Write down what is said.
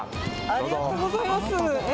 ありがとうございます。